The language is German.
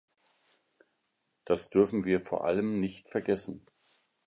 Das dürfen wir vor allem nicht vergessen.